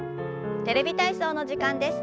「テレビ体操」の時間です。